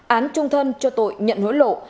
án trung thân cho tội nhận hối lộ